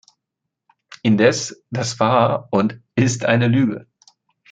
Indes, das war und ist eine Lüge!